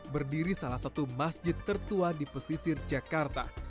berdiri salah satu masjid tertua di pesisir jakarta